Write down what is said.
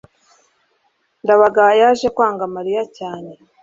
ndabaga yaje kwanga mariya cyane